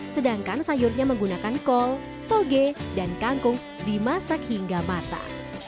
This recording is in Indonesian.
sedangkan sayurnya menggunakan kol toge dan kangkung dimasak hingga matang